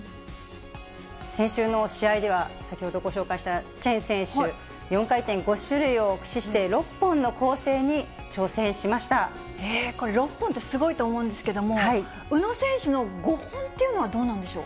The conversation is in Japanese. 先週の試合では、先ほどご紹介したチェン選手、４回転５種類を駆使して、これ、６本ってすごいと思うんですけれども、宇野選手の５本というのはどうなんでしょう。